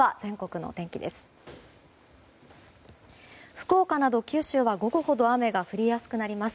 福岡など九州は午後ほど雨が降りやすくなります。